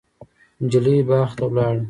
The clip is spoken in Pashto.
نجلۍ باغ ته ولاړه.